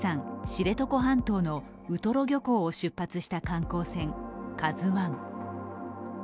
知床半島のウトロ漁港を出発した観光船「ＫＡＺＵⅠ」。